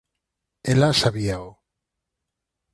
Ela sabíao.